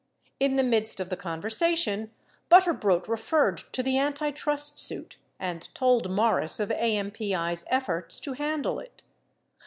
In the midst of the conversation, Butterbrodt referred to the antitrust suit and told Morris of AMPI's efforts to handle it.